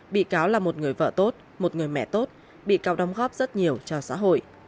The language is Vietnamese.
bị cáo là một người vợ tốt một người mẹ tốt bị cáo đóng góp rất nhiều cho xã hội